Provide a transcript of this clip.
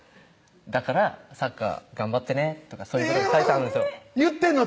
「だからサッカー頑張ってね」とかそういうことが書いてあるんです言ってんの？